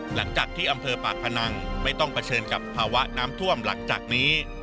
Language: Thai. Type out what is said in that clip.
หลังจากที่อำเภอปากพนังไม่ต้องเผชิญกับภาวะน้ำท่วมหลังจากนี้